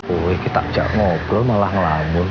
woy kita aja ngobrol malah ngelambun